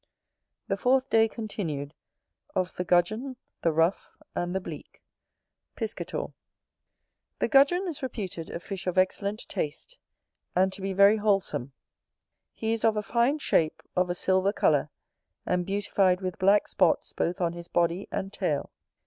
The fourth day continued Of the Gudgeon, the Ruffe, and the Bleak Chapter XV Piscator The GUDGEON is reputed a fish of excellent taste, and to be very wholesome. He is of a fine shape, of a silver colour, and beautified with black spots both on his body and tail.